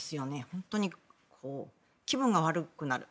本当に気分が悪くなる。